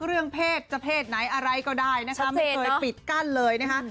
เรื่องเพศจะเพศไหนอะไรก็ได้นะคะไม่เคยปิดกั้นเลยนะคะ